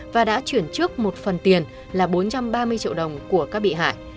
và đã chuyển trước một phần tiền là bốn trăm ba mươi triệu đồng của các bị hại